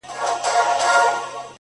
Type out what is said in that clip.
ځوان لکه مړ چي وي ـ